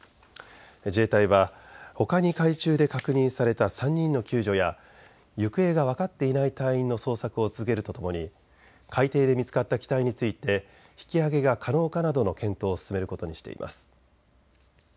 自衛隊はほかに海中で確認された３人の救助や行方が分かっていない隊員の捜索を続けるとともに海底で見つかった機体について引き揚げが可能かなどの検討を進めることにしています。